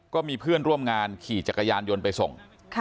ก็มีเพื่อนร่วมงานขี่จักรยานยนต์ไปส่ง